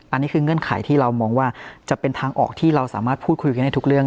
อันนี้คือเงื่อนไขที่เรามองว่าจะเป็นทางออกที่เราสามารถพูดคุยกันได้ทุกเรื่อง